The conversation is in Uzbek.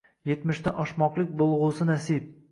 Yetmishdan oshmoqlik bo’lg’usi nasib